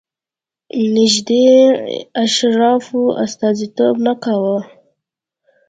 نږدې اشرافو استازیتوب نه کاوه.